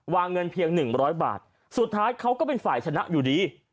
วางเงินเพียงหนึ่งร้อยบาทสุดท้ายเขาก็เป็นฝ่ายชนะอยู่ดี